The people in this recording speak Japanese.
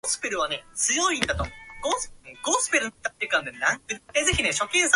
「どうもありがとう。」おじいさんがひとりだから帰ってあげてください。」とわたしが言うと、ばあさんは